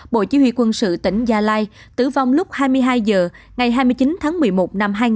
bộ chí huy quân sự tỉnh gia lai tử vong lúc hai mươi hai h ngày hai mươi chín tháng một mươi một năm hai nghìn